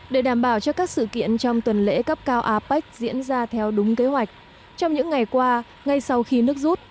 để đảm bảo cho các sự kiện trong tuần lễ cấp cao apec diễn ra theo đúng kế hoạch trong những ngày qua ngay sau khi nước rút